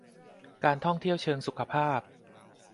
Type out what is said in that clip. การท่องเที่ยวเชิงสุขภาพ